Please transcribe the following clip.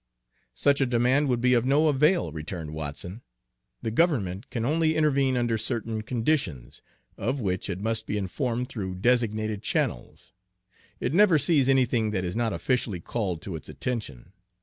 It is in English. "Such a demand would be of no avail," returned Watson. "The government can only intervene under certain conditions, of which it must be informed through designated channels. It never sees anything that is not officially called to its attention.